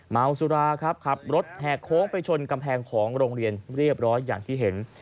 เมาสุราครับขับรถแหกโค้งไปชนกำแพงของโรงเรียนเรียบร้อยอย่างที่เห็น